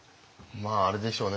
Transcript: まああれでしょうね